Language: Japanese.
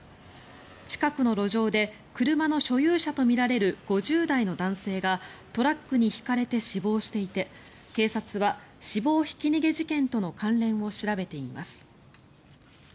近くの路上で車の所有者とみられる５０代の男性がトラックにひかれて死亡していて警察は死亡ひき逃げ事件との関連を調べています。